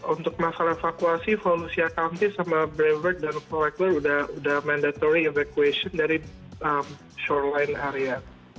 untuk masalah evakuasi volusia county sama braverd dan flagler udah mandatory evacuation dari shoreline area